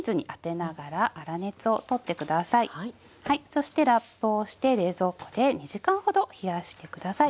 そしてラップをして冷蔵庫で２時間ほど冷やして下さい。